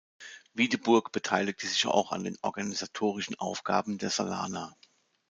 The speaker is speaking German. Wiedeburg beteiligte sich auch an den organisatorischen Aufgaben der Salana.